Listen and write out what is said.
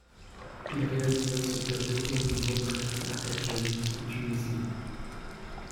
Il réalisa ce tableau lors d'une retraite à El Jem en Tunisie.